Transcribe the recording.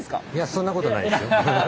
そんなことないです。